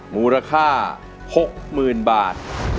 มูลค่า๖๐๐๐๐บาท